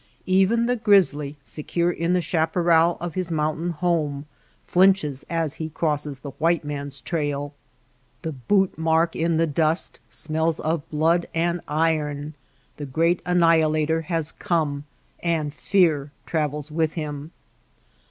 Even the grizzly, secure in the chaparral of his mountain home, flinches as he crosses the white man^s trail. The boot mark VIU PREFACE DEDICATION in the dust smells of blood and iron. The great annihilator has come and fear travels with him.